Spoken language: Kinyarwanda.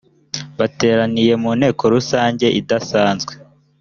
bateraniye mu nteko rusange idasanzwe